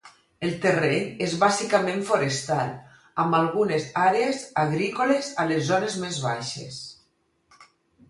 El terreny és bàsicament forestal, amb algunes àrees agrícoles a les zones més baixes.